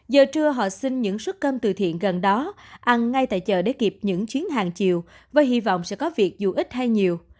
giờ trưa họ xin những suất cơm từ thiện gần đó ăn ngay tại chợ để kịp những chuyến hàng chiều và hy vọng sẽ có việc dù ít hay nhiều